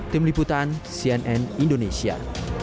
tim liputan cnn indonesia